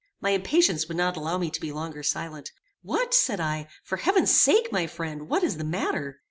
My impatience would not allow me to be longer silent: "What," said I, "for heaven's sake, my friend, what is the matter?"